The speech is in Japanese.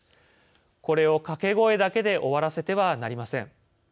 これを掛け声だけで終わらせてはなりません。